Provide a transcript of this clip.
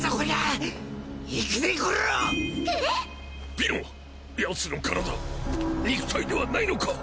ピノ！ヤツの体肉体ではないのか！？